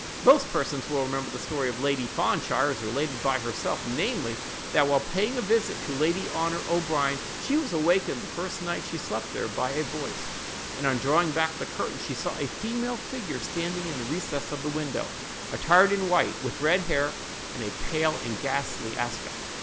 Most persons will remember the story of Lady Fanshawe, as related by herself—namely, that while paying a visit to Lady Honor O'Brien, she was awakened the first night she slept there by a voice, and, on drawing back the curtain, she saw a female figure standing in the recess of the window, attired in white, with red hair and a pale and ghastly aspect.